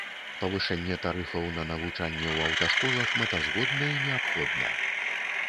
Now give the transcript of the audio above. Павышэнне тарыфаў на навучанне ў аўташколах мэтазгодна і неабходна.